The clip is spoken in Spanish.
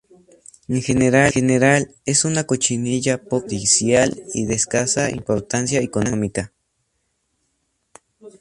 En general, es una cochinilla poco perjudicial y de escasa importancia económica.